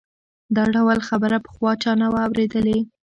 دا ډول خبره پخوا چا نه وه اورېدلې.